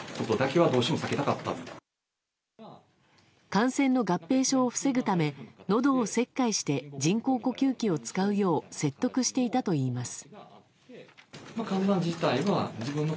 感染の合併症を防ぐためのどを切開して人工呼吸器を使うよう説得していたといいます。